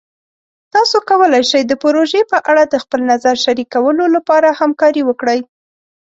تاسو کولی شئ د پروژې په اړه د خپل نظر شریکولو لپاره همکاري وکړئ.